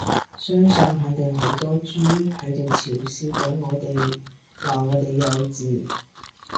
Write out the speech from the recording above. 相信肯定好多豬喺度嘲笑緊我哋，話我哋幼稚